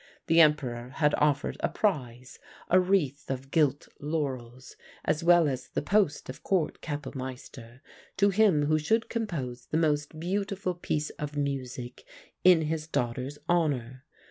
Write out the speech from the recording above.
The Emperor had offered a prize, a wreath of gilt laurels, as well as the post of Court Kapellmeister to him who should compose the most beautiful piece of music in his daughter's honour.